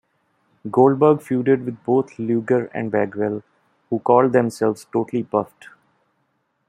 Goldberg feuded with both Luger and Bagwell, who called themselves "Totally Buffed".